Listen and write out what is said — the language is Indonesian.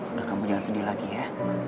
udah kamu yang sedih lagi ya